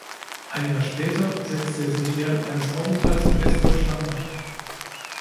Ein Jahr später setzte er sich während eines Aufenthalts in Westdeutschland ab.